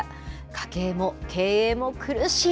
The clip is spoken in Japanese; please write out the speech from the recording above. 家計も、経営も苦しい。